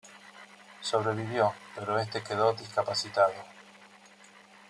Sobrevivió pero este quedó discapacitado.